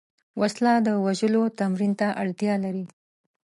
وسله د وژلو تمرین ته اړتیا لري